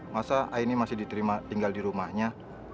masa aini masih diterima tinggal di rumahnya